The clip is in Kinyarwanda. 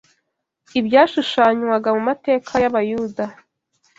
Ibyashushanywaga mu mateka y’Abayuda